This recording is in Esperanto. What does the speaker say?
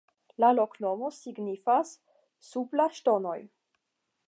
La loknomo signifas: "sub la ŝtonoj".